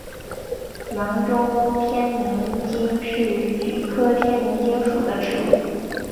贵州天名精是菊科天名精属的植物。